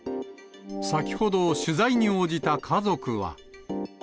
先ほど、取材に応じた家族は。